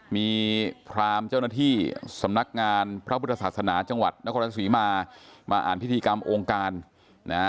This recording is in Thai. มีพรามเจ้าหน้าที่สำนักงานพระพุทธศาสนาจังหวัดนครราชศรีมามาอ่านพิธีกรรมองค์การนะฮะ